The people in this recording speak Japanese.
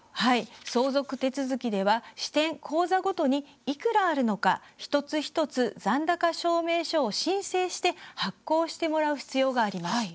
相続手続きでは支店、口座ごとにいくらあるのか一つ一つ残高証明書を申請して発行してもらう必要があります。